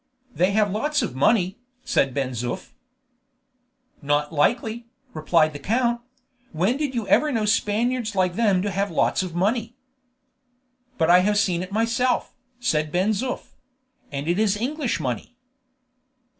"They have lots of money," said Ben Zoof. "Not likely," replied the count; "when did you ever know Spaniards like them to have lots of money?" "But I have seen it myself," said Ben Zoof; "and it is English money."